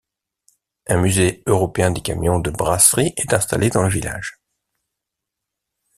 Un musée européen des camions de brasserie est installé dans le village.